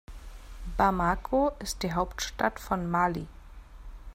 Bamako ist die Hauptstadt von Mali.